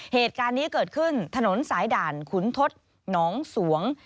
เหตุการณ์นี้เกิดขึ้นถนนสายด่านขุนทศหนองสวง